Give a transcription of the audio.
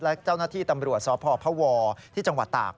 และเจ้าหน้าที่ตำรวจสพพวที่จังหวัดตาก